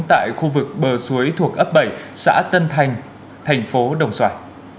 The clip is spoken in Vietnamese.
tại khu vực bờ suối thuộc ấp bảy xã tân thành thành phố đồng xoài